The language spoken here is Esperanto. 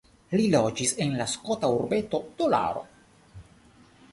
Li loĝis en la skota urbeto Dolaro.